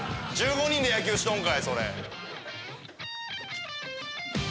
１５人で野球しとんかいそれ。